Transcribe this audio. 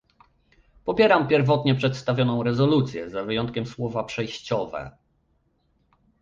Popieram pierwotnie przedstawioną rezolucję, za wyjątkiem słowa "przejściowe"